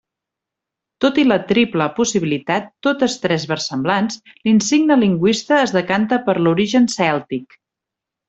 Tot i la triple possibilitat, totes tres versemblants, l'insigne lingüista es decanta per l'origen cèltic.